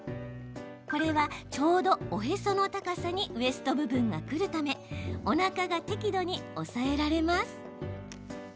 ちょうど、おへその高さにウエスト部分がくるためおなかが適度に押さえられます。